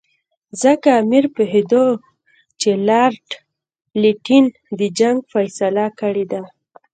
ځکه امیر پوهېدی چې لارډ لیټن د جنګ فیصله کړې ده.